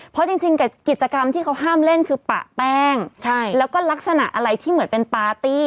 เพราะจริงกิจกรรมที่เขาห้ามเล่นคือปะแป้งแล้วก็ลักษณะอะไรที่เหมือนเป็นปาร์ตี้